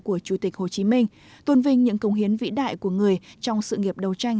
của chủ tịch hồ chí minh tuân vinh những công hiến vĩ đại của người trong sự nghiệp đấu tranh